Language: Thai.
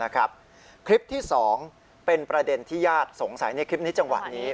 คลิปที่๒เป็นประเด็นที่ญาติสงสัยในคลิปนี้จังหวะนี้